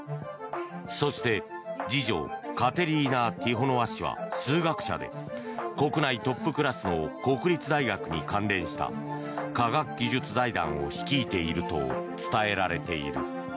そして次女、カテリーナ・ティホノワ氏は数学者で国内トップクラスの国立大学に関連した科学技術財団を率いていると伝えられている。